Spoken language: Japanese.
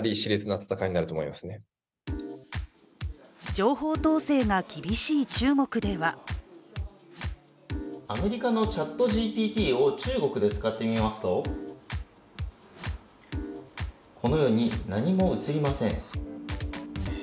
情報統制が厳しい中国ではアメリカのＣｈａｔＧＰＴを中国で使ってみますとこのように何も映りません。